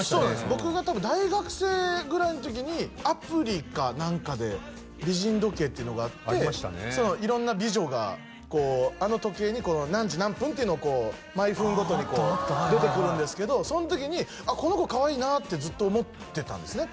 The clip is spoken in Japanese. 僕が多分大学生ぐらいの時にアプリか何かで美人時計っていうのがあって色んな美女がこうあの時計に何時何分っていうのを毎分ごとに出てくるんですけどその時にこの子かわいいなってずっと思ってたんですね